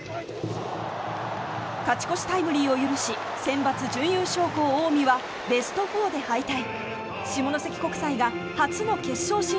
勝ち越しタイムリーを許しセンバツ準優勝校、近江はベスト４で敗退。